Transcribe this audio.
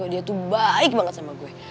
dia tuh baik banget sama gue